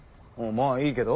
まあいいけど。